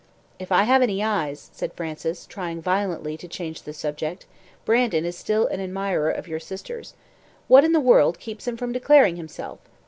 "If I have any eyes," said Francis, trying violently to change the subject, "Brandon is still an admirer of your sister's. What in the world keeps him from declaring himself?